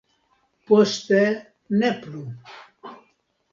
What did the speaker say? Poste ne plu.